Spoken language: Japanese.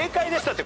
って。